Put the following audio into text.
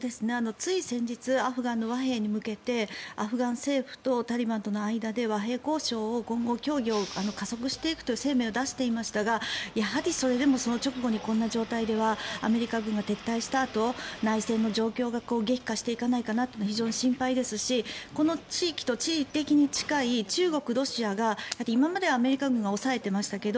つい先日アフガン情勢の和平交渉に向けてアフガン政府とタリバンとの間で和平交渉を今後協議を加速していくという声明を出していましたがそれでもそんな直後にこんな状態ではアメリカが撤退したあと内政の状況が激化していかないか非常に心配ですしこの地域と地理的に近い中国、ロシアが今までアメリカ軍が抑えていましたけど